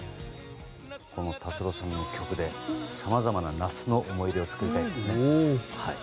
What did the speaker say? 達郎さんの曲でさまざまな夏の思い出を作りたいですね。